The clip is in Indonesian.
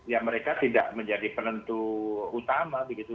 ya mereka tidak menjadi penentu utama begitu